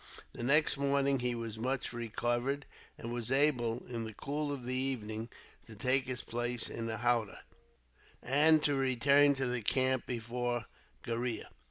The next morning he was much recovered; and was able, in the cool of the evening, to take his place in a howdah, and to return to the camp before Gheriah.